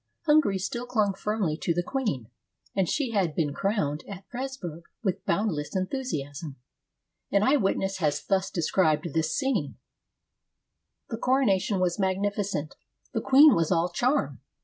Hungary still clung firmly to the queen, and she had been crowned at Presburg with boundless enthusiasm. An eyewitness has thus described this scene :— "The coronation was magnificent. The queen was all charm.